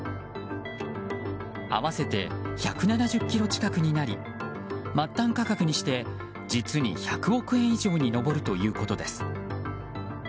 合わせて１７０ｋｇ近くになり末端価格にして実に１００億円以上に上るということです。